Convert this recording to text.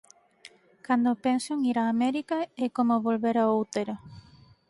Cando penso en ir a América, é como volver ao útero.